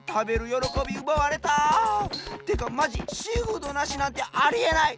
よろこびうばわれた！ってかまじシーフードなしなんてありえない！